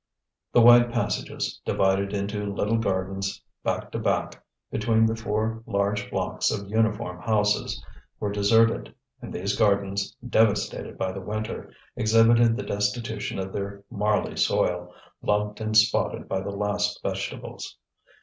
The wide passages, divided into little gardens, back to back, between the four large blocks of uniform houses, were deserted; and these gardens, devastated by the winter, exhibited the destitution of their marly soil, lumped and spotted by the last vegetables.